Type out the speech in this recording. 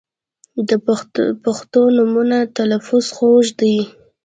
• د پښتو نومونو تلفظ خوږ دی.